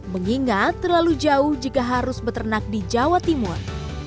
mengingat terlalu jauh jika harus beternak di jawa timur